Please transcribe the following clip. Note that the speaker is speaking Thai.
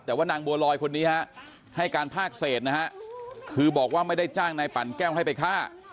แต่ว่านางบัวลอยคนนี้ฮะให้การภาคเศษนะฮะคือบอกว่าไม่ได้จ้างนายปั่นแก้วให้ไปฆ่า